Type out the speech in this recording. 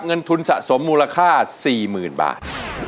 เงินทุนสะสมมูลค่าสี่หมื่นบาท